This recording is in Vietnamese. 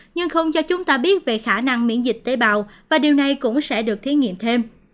nhưng không cho chúng ta biết về khả năng miễn dịch tế bào và điều này cũng sẽ được thí nghiệm thêm